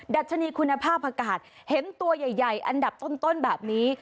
ัชนีคุณภาพอากาศเห็นตัวใหญ่อันดับต้นแบบนี้